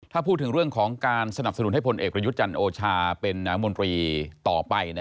ถ้าพูดถึงเรื่องของการสนับสนุนให้พลเอกประยุทธ์จันทร์โอชาเป็นนางมนตรีต่อไป